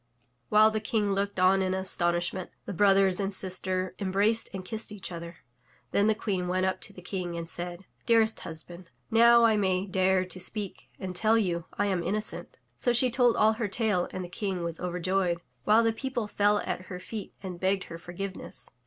While the King looked on in astonishment, the brothers and sister embraced and kissed each other. Then the Queen went up to the King and said: "Dearest husband, now I may dare to speak and tell you I am innocent r' So she told all her tale and the King was over joyed, while the people fell at her feet and begged her forgiveness.